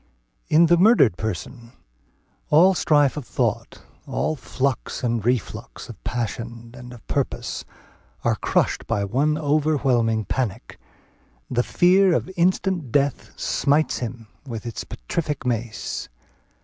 In the murdered person all strife of thought, all flux and reflux of passion and of purpose, are crushed by one overwhelming panic; the fear of instant death smites him "with its petrific mace."